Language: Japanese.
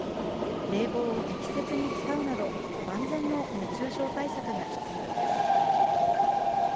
冷房を適切に使うなど万全の熱中症対策が必要です。